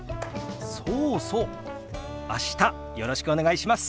そうそう明日よろしくお願いします。